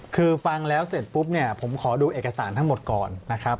คือฟังแล้วเสร็จปุ๊บเนี่ยผมขอดูเอกสารทั้งหมดก่อนนะครับ